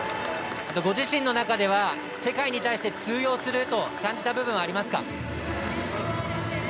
ご自身の中では、世界に対して通用すると感じた部分はありますか？